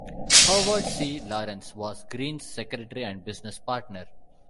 Howard C. Lawrence was Green's secretary and business partner.